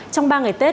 trong ba ngày tết